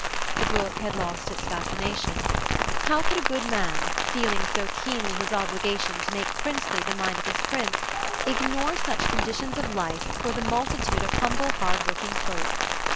The book had lost its fascination; how could a good man, feeling so keenly his obligation "to make princely the mind of his prince," ignore such conditions of life for the multitude of humble, hard working folk.